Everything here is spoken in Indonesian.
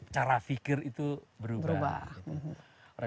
cara pikir itu berubah